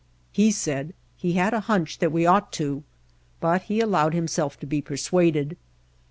He said he had a hunch that we ought to, but he allowed himself to be persuaded.